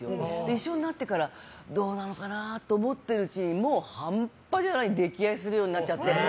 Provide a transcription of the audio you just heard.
一緒になってからどうなのかなと思ってるうちに半端じゃなく溺愛するようになっちゃって。